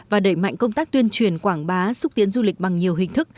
và đẩy mạnh công tác tuyên truyền quảng bá xúc tiến du lịch bằng nhiều hình thức